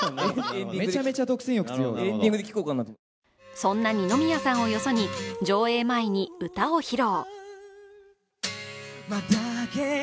そんな二宮さんをよそに上映前に歌を披露。